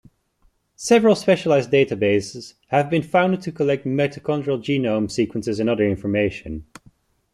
Several specialized databases have been founded to collect mitochondrial genome sequences and other information.